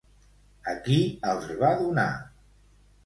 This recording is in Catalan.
A qui els va donar?